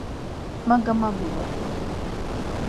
“Ma gamabulur!”